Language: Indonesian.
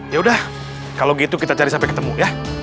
yaudah kalau gitu kita cari sampai ketemu ya